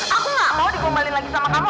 aku gak mau dikombalin lagi sama kamu